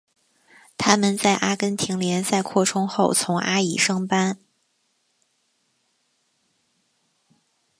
他们在阿根廷联赛扩充后从阿乙升班。